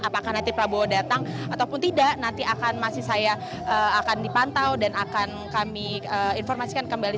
apakah nanti prabowo datang ataupun tidak nanti akan masih saya akan dipantau dan akan kami informasikan kembali